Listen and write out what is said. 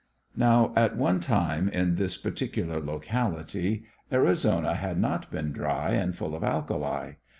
Now at one time in this particular locality Arizona had not been dry and full of alkali.